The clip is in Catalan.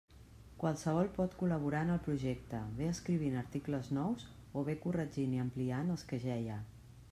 Qualsevol pot col·laborar en el projecte, bé escrivint articles nous, o bé corregint i ampliant els que ja hi ha.